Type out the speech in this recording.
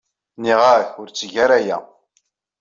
Nniɣ-ak ur tteg ara aya.